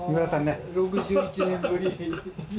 ６１年ぶり。